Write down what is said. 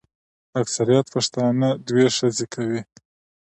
اکثریت پښتانه دوې ښځي کوي.